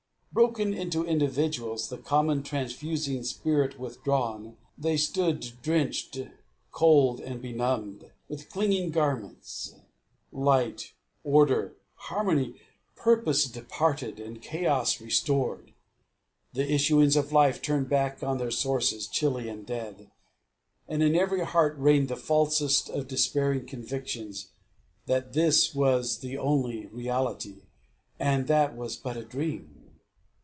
Broken into individuals, the common transfusing spirit withdrawn, they stood drenched, cold, and benumbed, with clinging garments; light, order, harmony, purpose departed, and chaos restored; the issuings of life turned back on their sources, chilly and dead. And in every heart reigned the falsest of despairing convictions, that this was the only reality, and that was but a dream.